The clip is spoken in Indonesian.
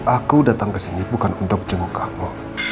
aku datang kesini bukan untuk jenguk kamu